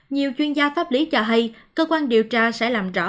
nhiều chuyên gia pháp lý cho hay cơ quan điều tra sẽ làm rõ